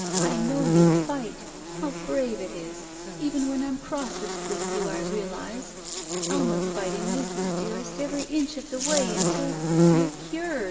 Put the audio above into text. I know your fight. How brave it is. Even when I'm Grossest with you, I realize. Alma's fighting with you dearest every inch of the way until — you're cured!